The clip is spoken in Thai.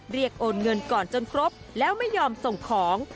โอนเงินก่อนจนครบแล้วไม่ยอมส่งของ